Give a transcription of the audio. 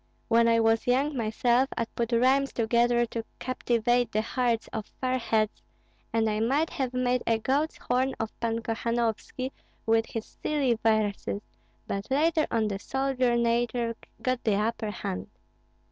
When I was young myself, I put rhymes together to captivate the hearts of fair heads, and I might have made a goat's horn of Pan Kohanovski with his silly verses, but later on the soldier nature got the upper hand."